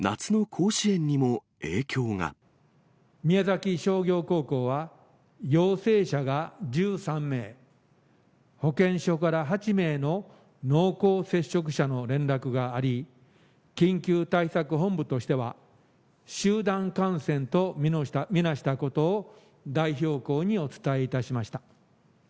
宮崎商業高校は、陽性者が１３名、保健所から８名の濃厚接触者の連絡があり、緊急対策本部としては、集団感染と見なしたことを代表校にお伝えいたしました。